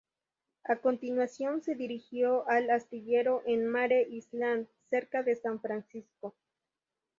A continuación, se dirigió al astillero en Mare Island, cerca de San Francisco.